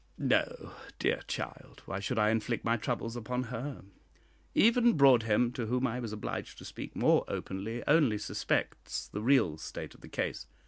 "No, dear child; why should I inflict my troubles upon her? Even Broadhem, to whom I was obliged to speak more openly, only suspects the real state of the case.